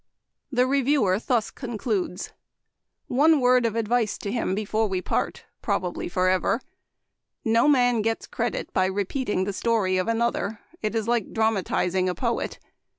The reviewer thus concludes :" One word of advice to him before we part, probably, forever. No man gets credit by re peating the story of another ; it is like dram atizing a poet.